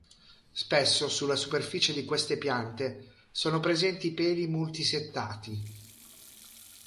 Spesso sulla superficie di queste piante sono presenti peli multisettati.